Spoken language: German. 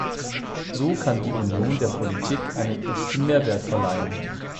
So kann die Union der Politik einen echten Mehrwert verleihen.